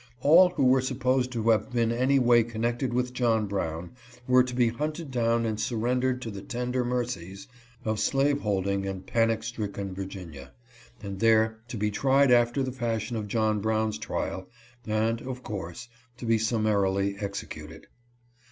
All who were supposed to liave been any way connected with John Brown were to be hunted down and surrendered to the tender mercies of slaveholding and panic stricken Virginia, and there to be tried after the fashion of John Brown's trial, and, of course, to be summarily executed.